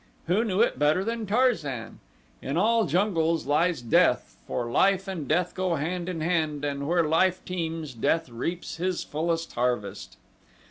Who knew it better than Tarzan? In all jungles lies death, for life and death go hand in hand and where life teems death reaps his fullest harvest.